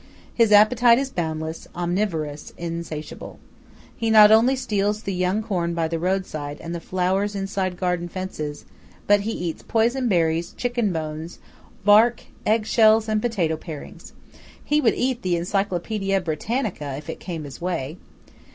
His appetite is boundless, omnivorous, insatiable. He not only steals the young corn by the road side and the flowers inside garden fences, but he eats poison berries, chicken bones, bark, egg shells and potato parings. He would eat the Encyclopædia Britannica, if it came in his way.